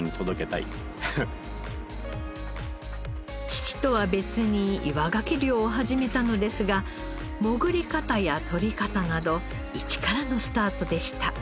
父とは別に岩ガキ漁を始めたのですが潜り方やとり方など一からのスタートでした。